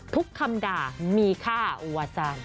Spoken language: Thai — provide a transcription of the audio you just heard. ทุกคำด่ามีค่าอุวสรรค์